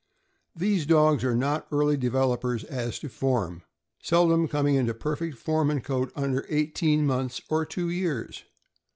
These dogs are not early developers as to form, seldom coming into perfect form and coat under eighteen months or two years.